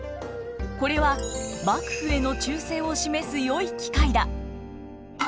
これは幕府への忠誠を示すよい機会だ。